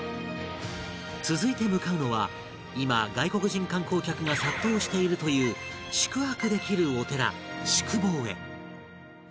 続いて向かうのは今外国人観光客が殺到しているという宿坊。